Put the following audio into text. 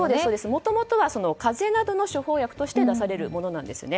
もともとは風邪などの処方薬として出されるものなんです。